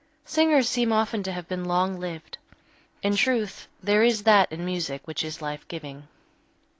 Singers seem often to have been long lived. In truth, there is that in music which is life giving.